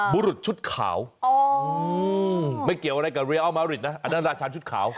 บุรุษชุดขาวไม่เกี่ยวอะไรกับเรียอัลมาริดนะอันนั้นราชาญชุดขาว